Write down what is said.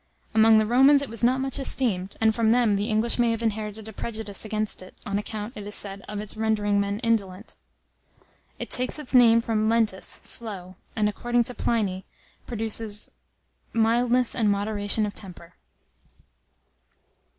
Among the Romans it was not much esteemed, and from them the English may have inherited a prejudice against it, on account, it is said, of its rendering men indolent. It takes its name from lentus 'slow,' and, according to Pliny, produces mildness and moderation of temper.